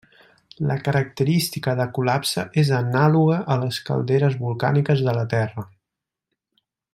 La característica de col·lapse és anàloga a les calderes volcàniques de la Terra.